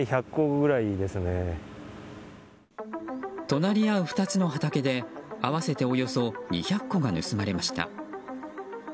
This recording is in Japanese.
隣り合う２つの畑で合わせておよそ２００個が盗まれました。